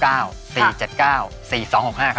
ลาไปแล้วสวัสดีค่ะ